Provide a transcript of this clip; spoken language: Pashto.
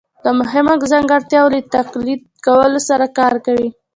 د مهمو ځانګړتیاوو له تقلید کولو سره کار کوي